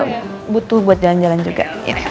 ayo aku juga butuh buat jalan jalan juga